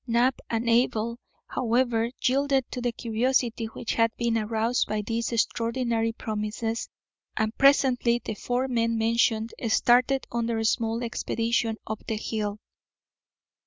Knapp and Abel, however, yielded to the curiosity which had been aroused by these extraordinary promises, and presently the four men mentioned started on their small expedition up the hill.